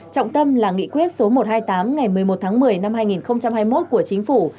trọng tâm là nghị quyết số một trăm hai mươi tám ngày một mươi một tháng một mươi năm hai nghìn hai mươi một của chính phủ